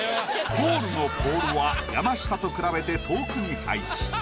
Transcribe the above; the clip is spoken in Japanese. ゴールのポールは山下と比べて遠くに配置。